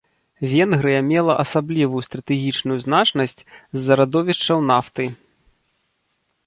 Венгрыя мела асаблівую стратэгічную значнасць з-за радовішчаў нафты.